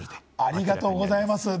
ありがとうございます。